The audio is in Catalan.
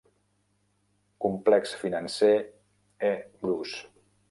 Complex financer E. Bruce.